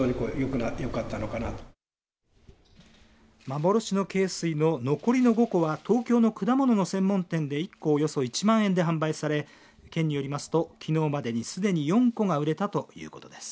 幻の恵水の残りの５個は東京の果物の専門店で１個およそ１万円で販売され県によりますときのうまでにすでに４個が売れたということです。